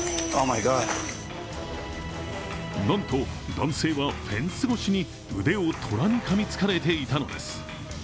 なんと、男性はフェンス越しに腕を虎にかみつかれていたのです。